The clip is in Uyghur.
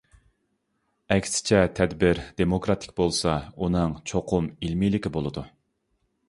ئەكسىچە، تەدبىر دېموكراتىك بولسا، ئۇنىڭ چوقۇم ئىلمىيلىكى بولىدۇ.